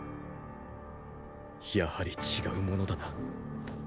やはり違うものだな。